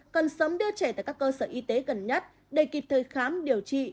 cần sớm đưa trẻ tại các cơ sở y tế gần nhất để kịp thời khám điều trị